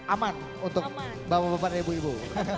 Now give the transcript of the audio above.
aman untuk bapak bapak dan ibu ibu